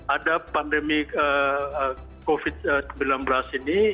ada pandemi covid sembilan belas ini